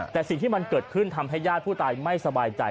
แต่สิ่งที่มันเกิดขึ้นทำให้ญาติผู้ตายไม่สบายใจ